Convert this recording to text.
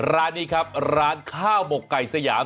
ร้านนี้ครับร้านข้าวหมกไก่สยาม